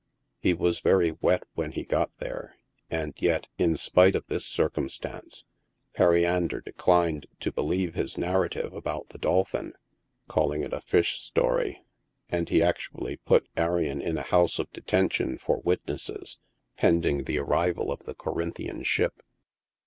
He was very wet when he got fnere, and yet, in spite of this cir cumstance, Periander declined to believe his narrative about the dolphin, calling it a " fish story," and he actually put Arion in a house of detention for witnesses, pending the arrival of the Corin 112 NIGHT SIDE OF NEW YORK. thian ship.